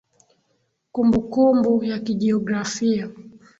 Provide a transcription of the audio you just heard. Kumbukumbu ya kijiografia